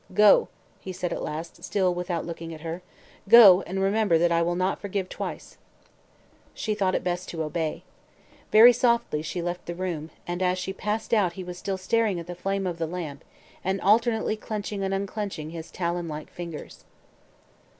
"Go!" he said at last, still without looking at her. "Go, and remember that I will not forgive twice." She thought it best to obey. Very softly she left the room, and as she passed out he was still staring at the flame of the lamp and alternately clenching and unclenching his talon like fingers.